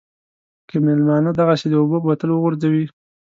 که مېلمانه دغسې د اوبو بوتل وغورځوي.